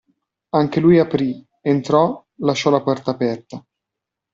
Anche lui aprì, entrò, lasciò la porta aperta.